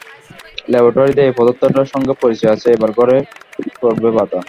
ল্যাবরেটরিতে ঐ পদার্থটার সঙ্গে পরিচয় আছে, এবার ঘরে পড়বে বাঁধা।